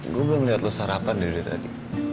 gue belom liat lo sarapan di duduk tadi